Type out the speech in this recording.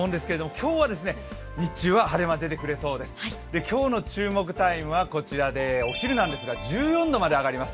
今日の注目タイムはお昼なんですが１４度まで上がります。